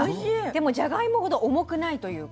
でもじゃがいもほど重くないというか。